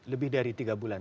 lebih dari tiga bulan